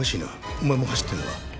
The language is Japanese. お前も走ってるのか？